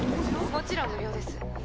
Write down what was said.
もちろん無料ですえっ！